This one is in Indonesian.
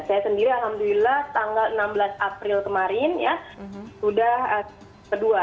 saya sendiri alhamdulillah tanggal enam belas april kemarin ya sudah kedua